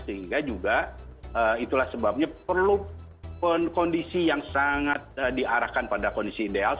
sehingga juga itulah sebabnya perlu kondisi yang sangat diarahkan pada kondisi ideal